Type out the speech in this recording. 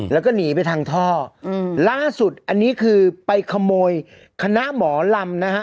แล้วก็หนีไปทางท่ออืมล่าสุดอันนี้คือไปขโมยคณะหมอลำนะฮะ